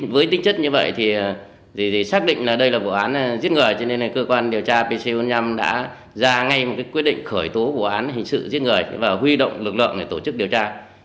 với tính chất như vậy thì xác định là đây là vụ án giết người cho nên cơ quan điều tra pc bốn mươi năm đã ra ngay một quyết định khởi tố vụ án hình sự giết người và huy động lực lượng để tổ chức điều tra